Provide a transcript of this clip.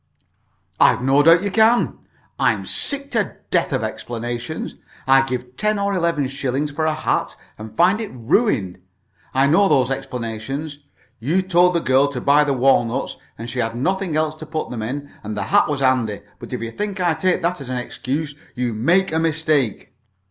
"I've no doubt you can. I'm sick to death of explanations. I give ten or eleven shillings for a hat, and find it ruined. I know those explanations. You told the girl to buy the walnuts, and she had got nothing else to put them in, and the hat was handy; but if you think I take that as an excuse, you make a mistake."